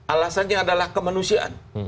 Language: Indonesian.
alasannya adalah kemanusiaan